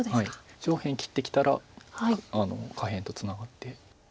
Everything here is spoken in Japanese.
上辺切ってきたら下辺とツナがって。